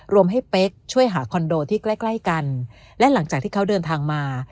รวมให้เป๊กช่วยหาคอนโดที่ใกล้ใกล้กันและหลังจากที่เขาเดินทางมา